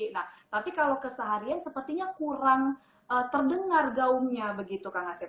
nah tapi kalau keseharian sepertinya kurang terdengar gaungnya begitu kang asep